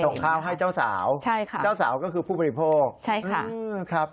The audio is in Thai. ส่งข้าวให้เจ้าสาวก็คือผู้ปริโภค